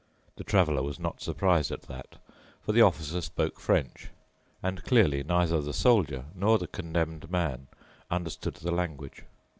The Traveler was not surprised at that, for the Officer spoke French, and clearly neither the Soldier nor the Condemned Man understood the language.